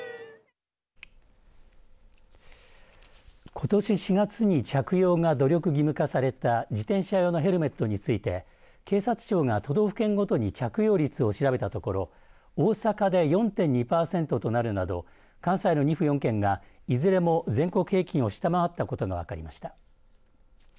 ことし４月に着用が努力義務化された自転車用のヘルメットについて警察庁が都道府県ごとに着用率を調べたところ大阪で４．２パーセントとなるなど関西の２府４県がいずれも全国平均を下回ったことが分かりました。